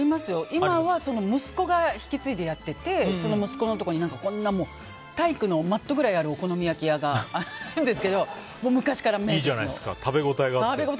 今はその息子が引き継いでやっててその息子のところに体育のマットぐらいあるお好み焼き屋さんがあるんですけどいいじゃないですか食べ応えがあって。